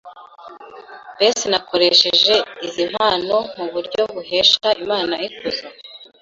Mbese nakoresheje izi mpano mu buryo buhesha Imana ikuzo?